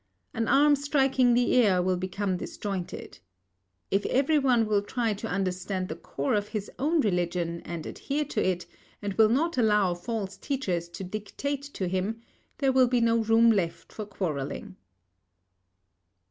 An arm striking the air will become disjointed. If every one will try to understand the core of his own religion and adhere to it, and will not allow false teachers to dictate to him, there will be no room left for quarrelling.